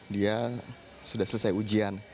dia sudah selesai ujian